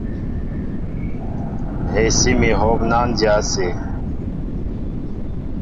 Hɛsí mi hǒm ná dya ásé.